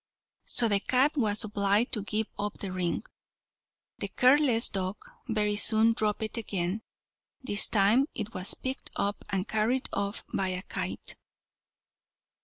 So the cat was obliged to give up the ring. The careless dog very soon dropped it again. This time it was picked up and carried off by a kite.